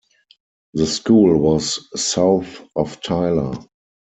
The school was south of Tyler.